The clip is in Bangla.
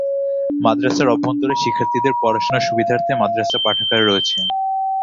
মাদ্রাসার অভ্যন্তরে শিক্ষার্থীদের পড়াশোনার সুবিধার্থে মাদ্রাসা পাঠাগার রয়েছে।